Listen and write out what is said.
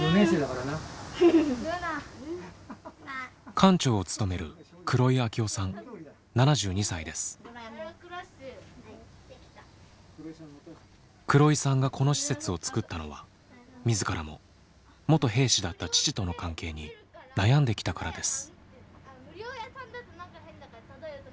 館長を務める黒井さんがこの施設を作ったのは自らも元兵士だった父との関係に悩んできたからです。